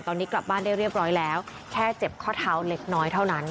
ตอนนี้กลับบ้านได้เรียบร้อยแล้วแค่เจ็บข้อเท้าเล็กน้อยเท่านั้น